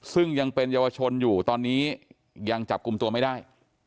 ซึ่งยังเป็นเยาวชนอยู่ตอนนี้ยังจับกลุ่มตัวไม่ได้